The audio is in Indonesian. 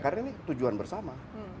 karena ini tujuan bersama